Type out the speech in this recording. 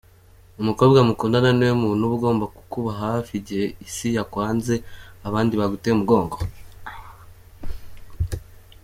Umukobwa mukundana niwe muntu uba ugomba kukuba hafi igihe isi yakwanze abandi baguteye umugongo.